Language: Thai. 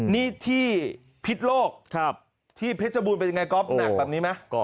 นี่ที่พิษโลกที่เพชรบูรณเป็นยังไงก๊อฟหนักแบบนี้ไหม